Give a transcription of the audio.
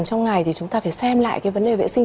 trong ngày thì chúng ta phải xem lại cái vấn đề vệ sinh